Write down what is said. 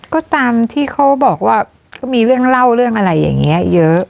ก็ตามที่เขาบอกว่าก็มีเรื่องเล่าเรื่องอะไรอย่างนี้เยอะ